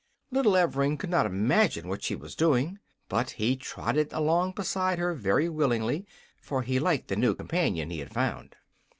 Little Evring could not imagine what she was doing, but he trotted along beside her very willingly, for he liked the new companion he had found.